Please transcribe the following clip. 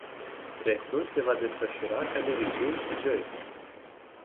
Restul se va desfășura ca de obicei joi.